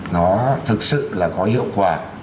nó thực sự là có hiệu quả